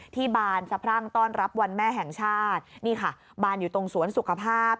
บานสะพรั่งต้อนรับวันแม่แห่งชาตินี่ค่ะบานอยู่ตรงสวนสุขภาพ